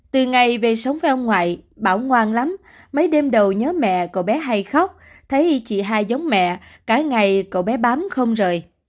từ ngày về sống với ông ngoại bảo ngoan lắm mấy đêm đầu nhớ mẹ cậu bé hay khóc thấy chị hai giống mẹ cả ngày cậu bé bám không rời